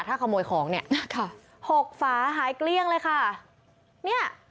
ถ้าขโมยของเนี่ยค่ะหกฝาหายเกลี้ยงเลยค่ะเนี่ย